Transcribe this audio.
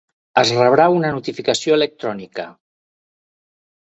Es rebrà una notificació electrònica.